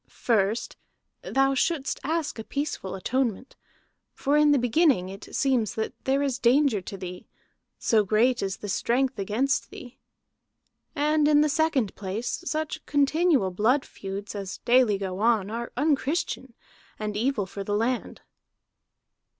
First thou shouldst ask a peaceful atonement. For in the beginning it seems that there is danger to thee, so great is the strength against thee. And in the second place such continual blood feuds as daily go on are unchristian, and evil for the land."